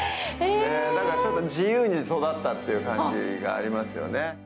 ちょっと自由に育ったという感じがありますよね。